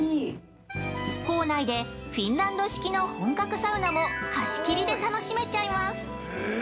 ◆校内でフィンランド式の本格サウナも貸し切りで楽しめちゃいます。